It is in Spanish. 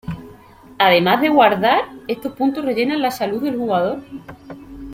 Además de guardar, estos puntos rellenan la salud del jugador.